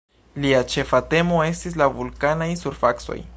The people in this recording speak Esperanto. Lia ĉefa temo estis la vulkanaj surfacoj.